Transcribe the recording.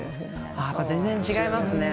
全然違いますね。